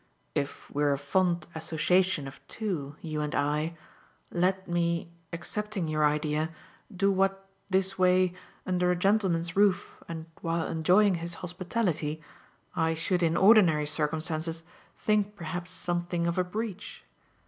"If we're a fond association of two, you and I, let me, accepting your idea, do what, this way, under a gentleman's roof and while enjoying his hospitality, I should in ordinary circumstances think perhaps something of a breach."